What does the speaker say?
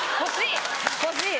欲しい！